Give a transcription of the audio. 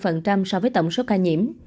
chiếm tỷ lệ bốn so với tổng số ca nhiễm